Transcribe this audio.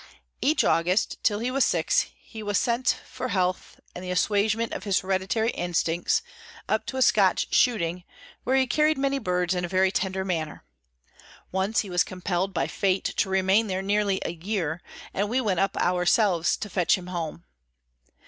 Each August, till he was six, he was sent for health, and the assuagement of his hereditary instincts, up to a Scotch shooting, where he carried many birds in a very tender manner. Once he was compelled by Fate to remain there nearly a year; and we went up ourselves to fetch him home.